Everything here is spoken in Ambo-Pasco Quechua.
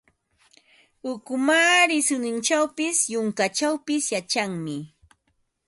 Ukumaari suninchawpis, yunkachawpis yachanmi.